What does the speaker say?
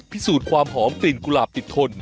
พิสูจน์ความหอมกลิ่นกุหลาบติดทน